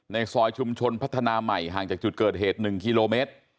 ในซอยชุมชนพัฒนาใหม่ห่างจากจุดเกิดเหตุ๑กิโลเมตร